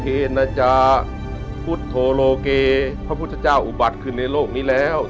เจยิ่งเมียนทรียสต์เมื่อสี่พันธุ์ท่านอุบัติขึ้นยนต์โลกนี้แล้ว